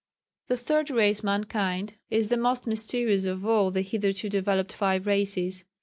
The Third Race mankind is the most mysterious of all the hitherto developed five Races.